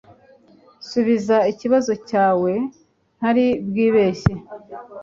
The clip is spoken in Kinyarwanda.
nsubiza ikibazo cyawe ntari bwibeshye